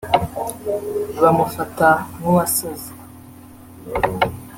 bamufata nk’uwasaze